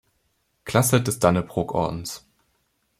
Klasse des Dannebrogordens.